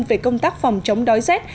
về công tác phòng chống đói rét